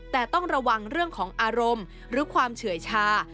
แต่ต้องระวังเรื่องของอารมณ์หรือความเฉื่อยชา